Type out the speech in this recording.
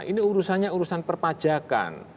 ini urusannya urusan perpajakan